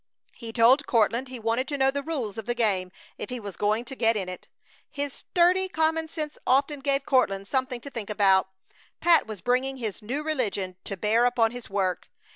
He told Courtland he wanted to know the rules of the game if he was going to get in it. His sturdy common sense often gave Courtland something to think about. Pat was bringing his new religion to bear upon his work.